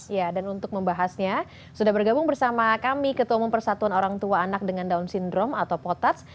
ya dan untuk membahasnya sudah bergabung bersama kami ketua umum persatuan orang tua anak dengan down syndrome atau potats